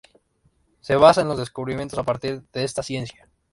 Se basaban en los descubrimientos a partir de esta ciencia.